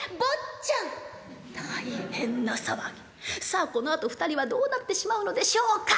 さあこのあと２人はどうなってしまうのでしょうか。